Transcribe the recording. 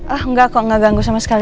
ah enggak kok nggak ganggu sama sekali